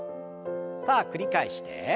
さあ繰り返して。